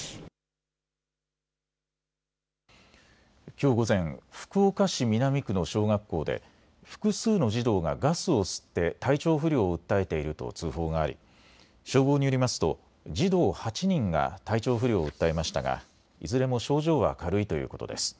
きょう午前、福岡市南区の小学校で複数の児童がガスを吸って体調不良を訴えていると通報があり消防によりますと児童８人が体調不良を訴えましたが、いずれも症状は軽いということです。